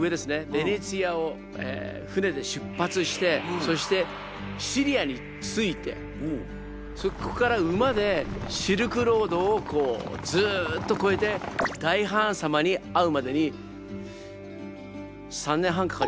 ベネチアを船で出発してそしてシリアに着いてそこから馬でシルクロードをこうずっとこえて大ハーン様に会うまでに３年半かかりました。